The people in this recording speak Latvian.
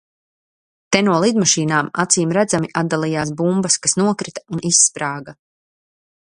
Te no lidmašīnām, acīmredzami, atdalījās bumbas, kas nokrita un izsprāga.